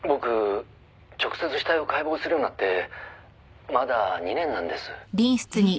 直接死体を解剖するようになってまだ２年なんです」ええ？